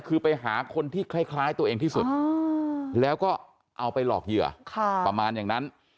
คือไปหาคนที่คล้ายตัวเองที่สุดแล้วก็เอาไปหลอกเหยื่อประมาณอย่างนั้น